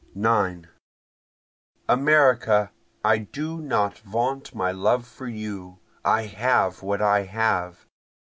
9 (America! I do not vaunt my love for you, I have what I have.)